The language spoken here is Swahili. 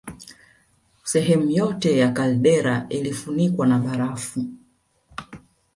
Sehemu yote ya kaldera ilifunikwa na barafu